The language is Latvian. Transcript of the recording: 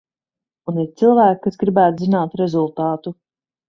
Un ir cilvēki, kas gribētu zināt rezultātu.